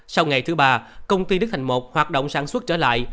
sau ngày thứ ba công ty đức thành một hoạt động sản xuất trở lại